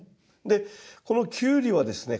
でこのキュウリはですね